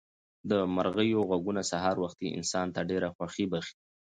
د مرغیو غږونه سهار وختي انسان ته ډېره خوښي بښي.